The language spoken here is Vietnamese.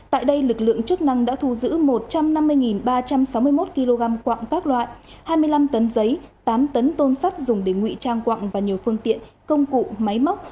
tại đây lực lượng chức năng đã thu giữ một trăm năm mươi ba trăm sáu mươi một kg quạng các loại hai mươi năm tấn giấy tám tấn tôn sắt dùng để ngụy trang quặng và nhiều phương tiện công cụ máy móc